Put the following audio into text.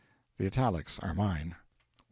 The italics are mine: 1.